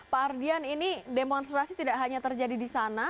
pak ardian ini demonstrasi tidak hanya terjadi di sana